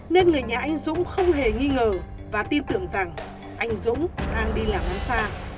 nên người nhà anh dũng không hề nghi ngờ và tin tưởng rằng anh dũng đang đi làm ăn xa